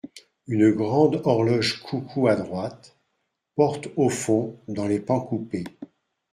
Une grande horloge-coucou à droite ; portes au fond dans les pans coupés.